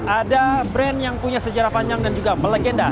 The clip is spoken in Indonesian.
ada brand yang punya sejarah panjang dan juga melegenda